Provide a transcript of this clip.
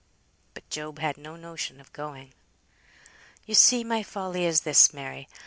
But Job had no notion of going. "You see my folly is this, Mary.